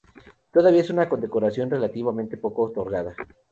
Todavía es una condecoración relativamente poco otorgada.